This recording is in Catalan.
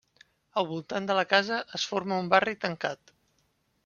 Al voltant de la casa es forma un barri tancat.